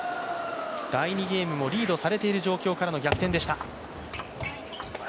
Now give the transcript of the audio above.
第２ゲームもリードされている状況からの逆転でした。